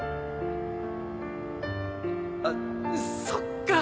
あっそっか！